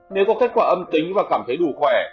nếu có kết quả âm tính và cảm thấy đủ khỏe